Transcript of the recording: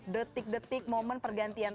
detik detik momen pergantian